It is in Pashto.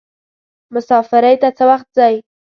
مسافری ته څه وخت ځئ.